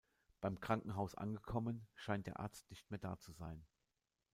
Beim Krankenhaus angekommen, scheint der Arzt nicht mehr da zu sein.